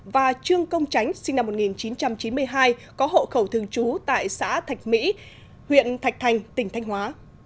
và trương công tránh sinh năm một nghìn chín trăm chín mươi hai có hộ khẩu thường trú tại xã thạch mỹ huyện thạch thành tỉnh thanh hóa